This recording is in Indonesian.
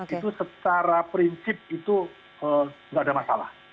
itu secara prinsip itu tidak ada masalah